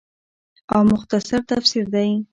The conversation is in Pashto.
او مختصر تفسير دے